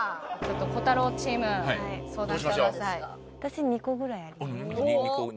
コタローチーム相談してください。